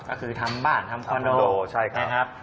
ก็คือทำบ้านทำคอนโด